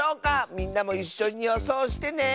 みんなもいっしょによそうしてね！